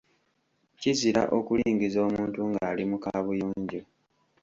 Kizira okulingiza omuntu ng'ali mu kaabuyojo.